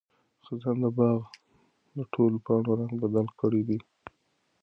خزان د باغ د ټولو پاڼو رنګ بدل کړی دی.